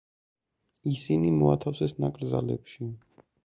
ისინი მოათავსეს ნაკრძალებში.